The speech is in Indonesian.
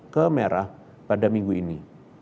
ke merah pada minggu ini